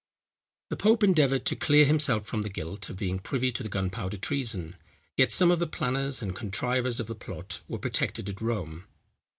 The pope endeavoured to clear himself from the guilt of being privy to the Gunpowder Treason; yet some of the planners and contrivers of the plot were protected at Rome.